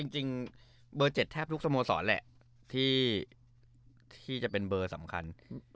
จริงเบอร์๗แทบทุกสโมสรแหละที่จะเป็นเบอร์สำคัญ